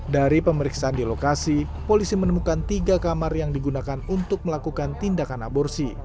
dari pemeriksaan di lokasi polisi menemukan tiga kamar yang digunakan untuk melakukan tindakan aborsi